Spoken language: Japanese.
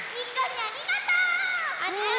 ありがとう！